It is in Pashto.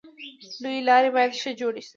لویې لارې باید ښه جوړې شي.